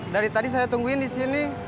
dari tadi saya tungguin disini